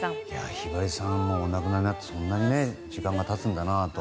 ひばりさんがお亡くなりになってそんなに時間が経つんだなと。